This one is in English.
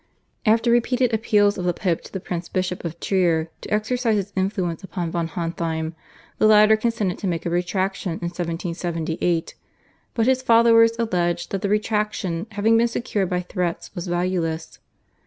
After repeated appeals of the Pope to the Prince bishop of Trier to exercise his influence upon von Hontheim, the latter consented to make a retractation in 1778, but his followers alleged that the retractation having been secured by threats was valueless.